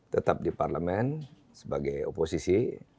tetap di parlemen sebagai oposisi